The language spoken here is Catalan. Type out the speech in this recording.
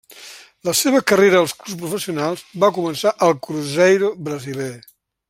La seva carrera als clubs professionals va començar al Cruzeiro brasiler.